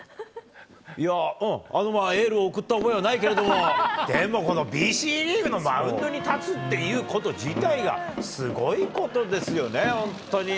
いや、うん、エールを送った覚えはないけれども、でもこのＢＣリーグのマウンドに立つっていうこと自体が、すごいことですよね、本当に。